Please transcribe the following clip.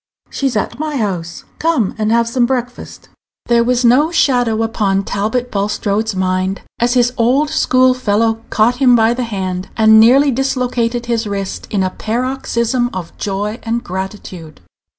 "She's at my house. Come and have some breakfast." There was no shadow upon Talbot Bulstrode's mind as his old school fellow caught him by the hand, and nearly dislocated his wrist in a paroxysm of joy and gratitude.